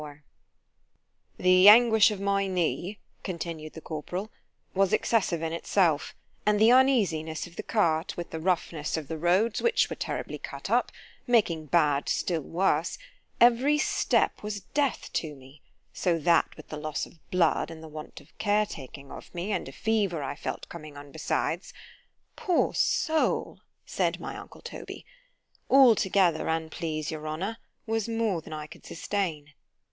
XLIV THE anguish of my knee, continued the corporal, was excessive in itself; and the uneasiness of the cart, with the roughness of the roads, which were terribly cut up—making bad still worse—every step was death to me: so that with the loss of blood, and the want of care taking of me, and a fever I felt coming on besides——(Poor soul! said my uncle Toby)——all together, an' please your honour, was more than I could sustain.